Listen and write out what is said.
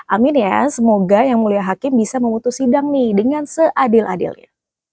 amin ya semoga yang mulia hakim bisa memutus sidang nih dengan seadil adilnya